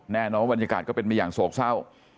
แน่นอนว่าบรรยากาศก็เป็นไปอย่างโศกเศร้า